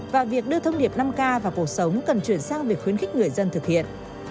và việc đưa thông điệp năm k vào cuộc sống cần chuyển sang việc khuyến khích người dân thực hiện